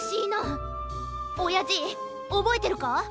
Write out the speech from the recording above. おやじおぼえてるか？